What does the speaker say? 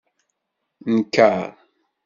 Nker.